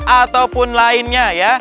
ataupun lainnya ya